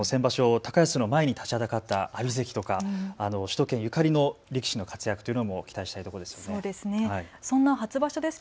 高安の前に立ちはだかった阿炎関とか首都圏ゆかりの力士の活躍というのも期待したいですね。